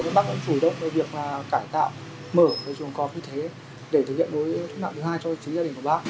thì bác cũng chủ động về việc là cải tạo mở cái trường quạt như thế để thực hiện đối với thức nặng thứ hai cho chính gia đình của bác